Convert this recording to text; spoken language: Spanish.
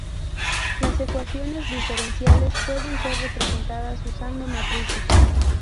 Las ecuaciones diferenciales pueden ser representadas usando matrices.